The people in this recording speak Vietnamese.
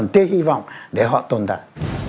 thế hi vọng để họ tồn tại